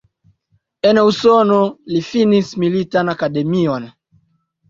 En Usono li finis Militan Akademion.